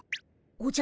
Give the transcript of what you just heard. おじゃ！